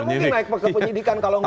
mungkin naik ke penyidikan kalau nggak